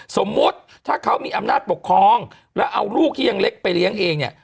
สมมุติถ้าเขามีอำนาจปกครองแล้วเอาลูกที่ยังเล็กไปเลี้ยงเองเนี่ย